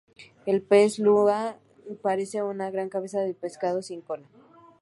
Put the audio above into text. El pez luna parece una gran cabeza de pescado sin cola.